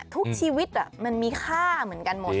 ทุกชีวิตมันมีค่าเหมือนกันหมด